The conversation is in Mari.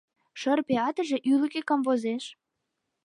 Шырпе атыже ӱлыкӧ камвозеш.